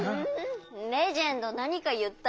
レジェンドなにかいった？